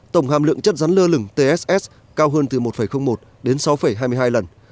tổng hàm lượng chất rắn lơ lửng tss cao hơn từ một một đến sáu hai mươi hai lần